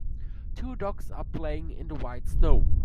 Two dogs are playing in the white snow.